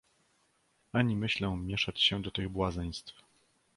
"Ani myślę mieszać się do tych błazeństw!..."